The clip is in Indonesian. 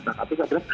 nah kak ngaset